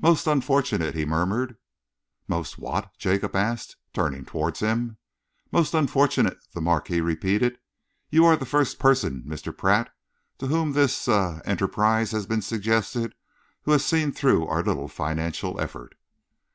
"Most unfortunate!" he murmured. "Most what?" Jacob asked, turning towards him. "Most unfortunate," the Marquis repeated. "You are the first person, Mr. Pratt, to whom this er enterprise has been suggested, who has seen through our little financial effort."